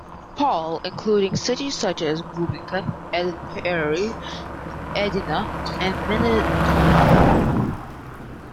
Paul including cities such as Bloomington, Eden Prairie, Edina and Minnetonka.